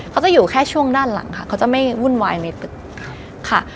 เขาจะอยู่แค่ช่วงด้านหลังค่ะเขาจะไม่วุ่นวายในตึกค่ะ